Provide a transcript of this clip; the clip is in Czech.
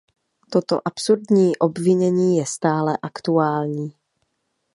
Toto absurdní obvinění je stále aktuální.